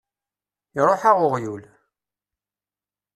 Iṛuḥ-aɣ uɣyul!